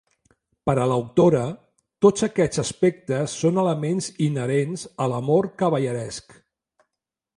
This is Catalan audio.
Per a l'autora, tots aquests aspectes són elements inherents a l'amor cavalleresc.